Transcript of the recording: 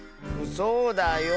そうだよ。